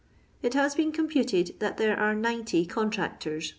It has been computed that there are 90 con* tractors.